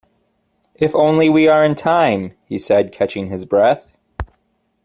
"If only we are in time!" he said, catching his breath.